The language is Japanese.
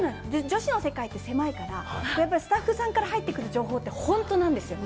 女子の世界って狭いから、スタッフさんから入ってくる話って本当なんですよ。